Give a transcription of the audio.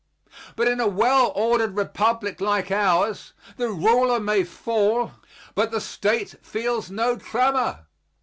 But in a well ordered Republic like ours the ruler may fall, but the State feels no tremor.